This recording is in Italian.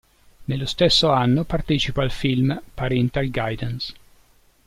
Nello stesso anno partecipa al film Parental guidance.